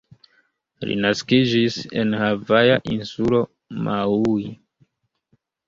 Li naskiĝis en havaja insulo Maui.